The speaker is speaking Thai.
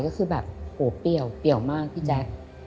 ก็คือแบบโหเปรี้ยวเปรี้ยวมากพี่แจ๊ค